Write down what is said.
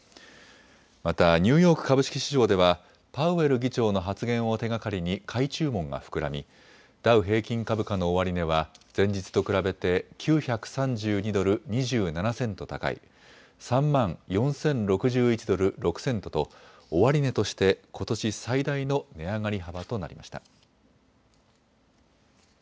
またニューヨーク株式市場ではパウエル議長の発言を手がかりに買い注文が膨らみダウ平均株価の終値は前日と比べて９３２ドル２７セント高い３万４０６１ドル６セントと終値としてことし最大の値上がり幅となりました。